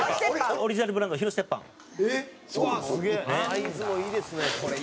「サイズもいいですねこれ。